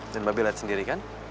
dan mbak b liat sendiri kan